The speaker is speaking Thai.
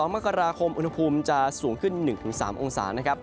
๑๒มกราคมอุณหภูมิจะสูงขึ้น๑๓องศาเซลเซียต